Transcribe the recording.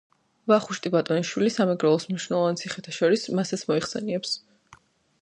ვახუშტი ბატონიშვილი სამეგრელოს მნიშვნელოვან ციხეთა შორის მასაც მოიხსენიებს.